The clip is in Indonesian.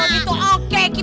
aku pasang rantai kayak gini